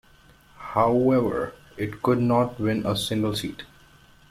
However, it could not win a single seat.